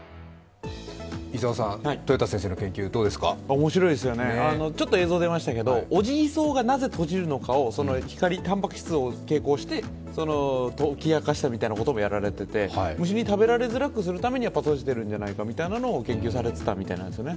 面白いですよね、ちょっと映像が出ましたけど、オジギソウがなぜ閉じるのか、光、たんぱく質を蛍光して解き明かしたみたいなのがあって虫に食べられづらくするために閉じてるんじゃないかといった研究されていたみたいなんですよね。